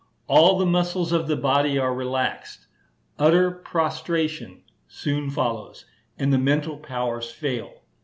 All the muscles of the body are relaxed. Utter prostration soon follows, and the mental powers fail.